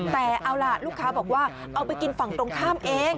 แต่เอาล่ะลูกค้าบอกว่าเอาไปกินฝั่งตรงข้ามเอง